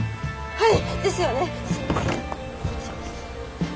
はい。